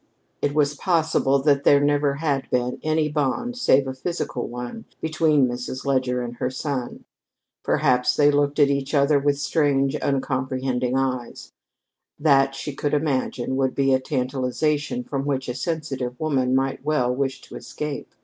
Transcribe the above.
It was possible that there never had been any bond save a physical one between Mrs. Leger and her son. Perhaps they looked at each other with strange, uncomprehending eyes. That, she could imagine, would be a tantalization from which a sensitive woman might well wish to escape.